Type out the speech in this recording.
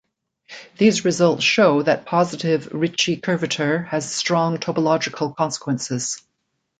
These results show that positive Ricci curvature has strong topological consequences.